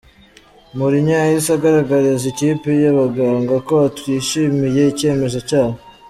Mourinho yahise agaragariza ikipe y'abaganga ko atishimiye icyemezo cyabo.